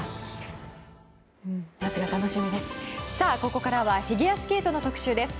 ここからはフィギュアスケートの特集です。